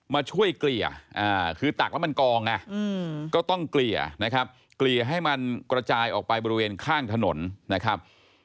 มาช่วยเกลี่ยคือตักแล้วมันกองไงก็ต้องเกลี่ยนะครับเกลี่ยให้มันกระจายออกไปบริเวณข้างถนนนะครับ